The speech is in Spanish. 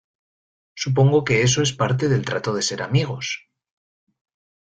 supongo que eso es parte del trato de ser amigos.